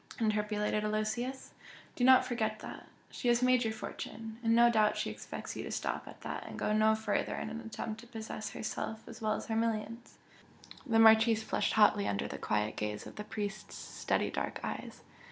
interpolated Aloysius "Do not forget that! She has made your fortune. And no doubt she expects you to stop at that and go no further in an attempt to possess herself as well as her millions!" The Marchese flushed hotly under the quiet gaze of the priest's steady dark eyes.